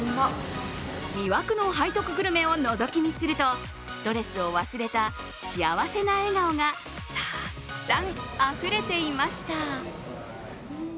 魅惑の背徳グルメをのぞき見するとストレスを忘れた幸せな笑顔がたーっくさん、あふれていました。